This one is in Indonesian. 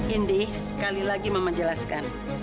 indi sekali lagi memajelaskan